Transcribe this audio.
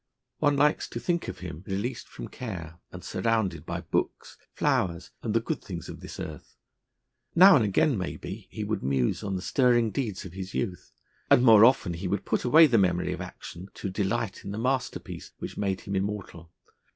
One likes to think of him released from care, and surrounded by books, flowers, and the good things of this earth. Now and again, maybe, he would muse on the stirring deeds of his youth, and more often he would put away the memory of action to delight in the masterpiece which made him immortal.